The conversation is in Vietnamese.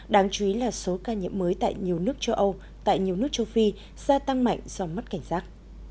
đáng chú ý là số ca nhiễm mới tại nhiều nước châu âu tại nhiều nước châu phi gia tăng mạnh do mất cảnh giác